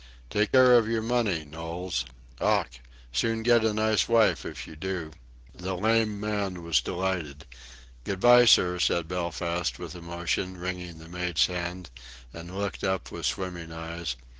"Take care of your money, Knowles. Ough! Soon get a nice wife if you do." The lame man was delighted. "Good bye, sir," said Belfast, with emotion, wringing the mate's hand, and looked up with swimming eyes.